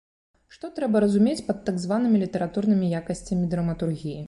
Што трэба разумець пад так званымі літаратурнымі якасцямі драматургіі?